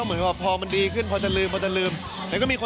ผมก็พูดได้ประมาณเท่านั้นนะครับ